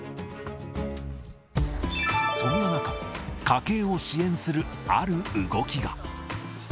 そんな中、家計を支援するある動きが。